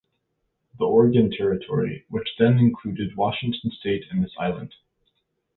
The Oregon territory, which then included Washington state and this island.